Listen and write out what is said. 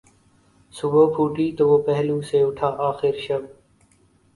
صبح پھوٹی تو وہ پہلو سے اٹھا آخر شب